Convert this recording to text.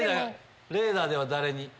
レーダーでは誰に？